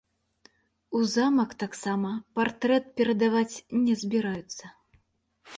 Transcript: У замак таксама партрэт перадаваць не збіраюцца.